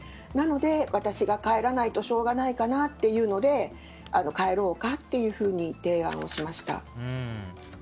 なので、私が帰らないとしょうがないかなというので帰ろうか？っていうふうに提案をしました。